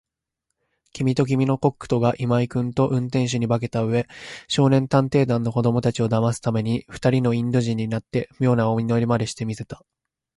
きみときみのコックとが、今井君と運転手に化けたうえ、少年探偵団の子どもたちをだますために、ふたりのインド人になって、みょうなお祈りまでして見せた。